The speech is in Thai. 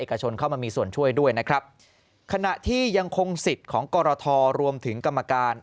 ชนเข้ามามีส่วนช่วยด้วยนะครับขณะที่ยังคงสิทธิ์ของกรทรวมถึงกรรมการ